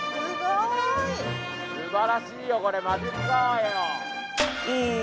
すごい！